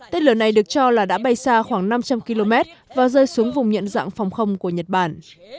tên lửa này được cho là đã bay xa khoảng năm trăm linh km và rơi xuống vùng nhận dạng phòng không của nhật bản